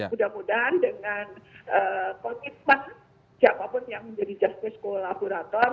kemudian dengan komitmen siapapun yang menjadi justice for laborator